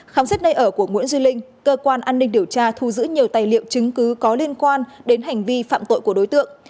khám xét nơi ở của nguyễn duy linh cơ quan an ninh điều tra thu giữ nhiều tài liệu chứng cứ có liên quan đến hành vi phạm tội của đối tượng